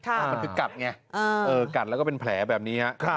มันคือกัดไงกัดแล้วก็เป็นแผลแบบนี้ฮะ